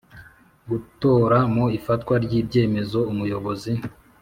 gutora mu ifatwa ry ibyemezo Umuyobozi